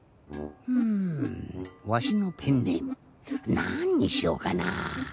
ふんわしのペンネームなんにしようかな。